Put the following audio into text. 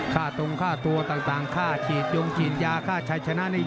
ข้าตรงข้าตัวต่างข้าฉีดยงฉีดยาข้าชายชนะ